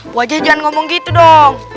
bu aja jangan ngomong gitu dong